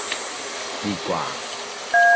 ดีกว่า